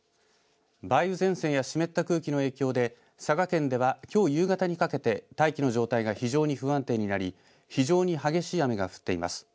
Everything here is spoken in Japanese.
梅雨前線や湿った空気の影響で佐賀県ではきょう夕方にかけて大気の状態が非常に不安定になり非常に激しい雨が降っています。